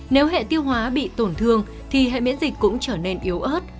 nếu hệ tiêu hóa bị tổn thương thì hệ miễn dịch cũng trở nên yếu ớt